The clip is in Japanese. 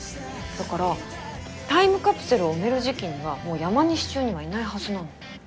だからタイムカプセルを埋める時期にはもう山西中にはいないはずなの。